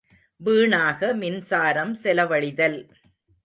வீணாக மின்சாரம் செலவழிதல்.